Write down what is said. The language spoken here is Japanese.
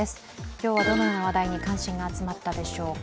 今日はどのような話題に関心が集まったでしょうか。